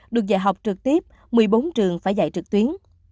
được dạy học trực tiếp một mươi bốn trường phải dạy trực tuyến